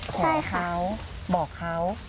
ใช่ค่ะขอเขาบอกเขา